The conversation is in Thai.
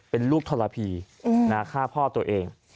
เป็นลูกทรพีฆ่าพ่อตัวเอง